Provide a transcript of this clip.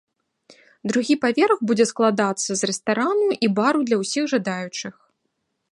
Другі паверх будзе складацца з рэстарану і бару для ўсіх жадаючых.